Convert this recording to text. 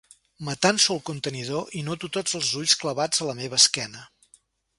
M'atanso al contenidor i noto tots els ulls clavats a la meva esquena.